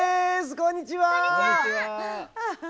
こんにちは！